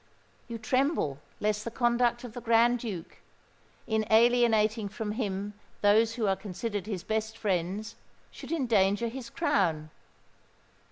You tremble lest the conduct of the Grand Duke, in alienating from him those who are considered his best friends, should endanger his crown.